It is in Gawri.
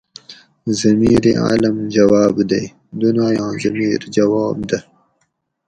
ضمیرعالم جواب دے ( دُنایاں ضمیر جواب دہ )